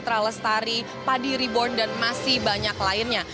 arie lasso bunga citra lestari padi reborn dan masih banyak lainnya